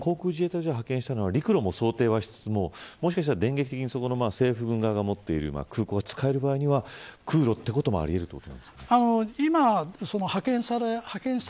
航空自衛隊を派遣したのは陸路ももしかしたら電撃的に政府軍側が持っているような空港を使えるような空路というのもあり得るということですか。